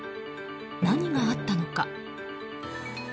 何があったのか。